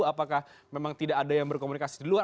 apakah memang tidak ada yang berkomunikasi di luar